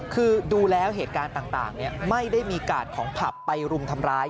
คือดูแล้วเหตุการณ์ต่างไม่ได้มีกาดของผับไปรุมทำร้าย